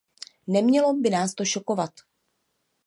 Nemělo by nás to šokovat.